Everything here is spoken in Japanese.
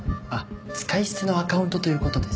使い捨てのアカウントという事です。